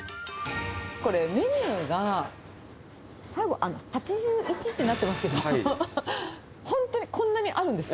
これ、メニューが最後、８１ってなってますけど、本当にこんなにあるんですか？